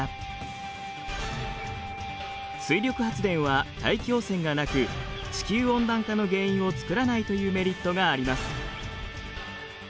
水力発電は大気汚染がなく地球温暖化の原因を作らないというメリットがあります。